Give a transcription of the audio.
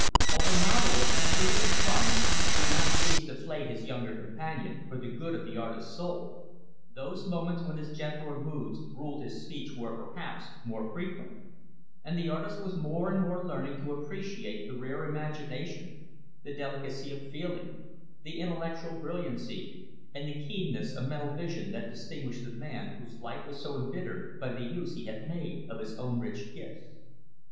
While the novelist, true to his promise, did not cease to flay his younger companion for the good of the artist's soul those moments when his gentler moods ruled his speech were, perhaps, more frequent; and the artist was more and more learning to appreciate the rare imagination, the delicacy of feeling, the intellectual brilliancy, and the keenness of mental vision that distinguished the man whose life was so embittered by the use he had made of his own rich gifts.